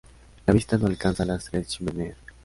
La vista no alcanza a las tres chimeneas.